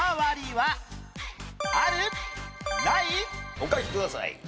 お書きください。